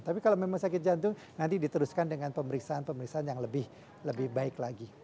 tapi kalau memang sakit jantung nanti diteruskan dengan pemeriksaan pemeriksaan yang lebih baik lagi